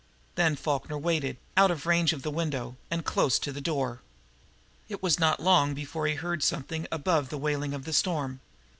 Then Falkner waited, out of range of the window, and close to the door. It was not long before he heard something above the wailing of the storm.